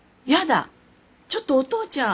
ちょっとお父ちゃん困るわ。